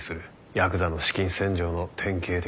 ヤクザの資金洗浄の典型的な手口だ。